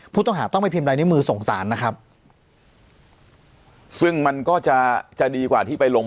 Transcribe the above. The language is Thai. ผู้ต้องหาต้องไปพิมพ์ลายนิ้วมือส่งสารนะครับซึ่งมันก็จะจะดีกว่าที่ไปลง